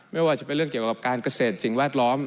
ไม่ว่าจะเป็นเรื่องเกี่ยวกับการเกษตรสิ่งแวดล้อม